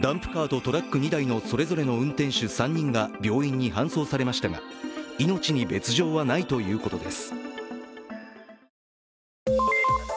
ダンプカーとトラック２台のそれぞれの運転手３人が病院に搬送されましたが命に別状はないということです。